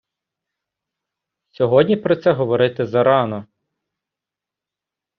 Сьогодні про це говорити зарано!